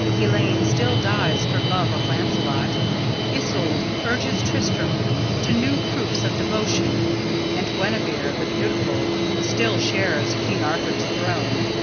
Elaine still dies for love of Lancelot, Isolde urges Tristram to new proofs of devotion, and Guenevere, the beautiful, still shares King Arthur's throne.